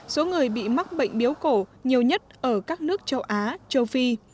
số người bị mắc bệnh biếu cổ nhiều nhất ở các nước châu á châu phi